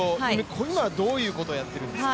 今はどういうことをやっているんですか？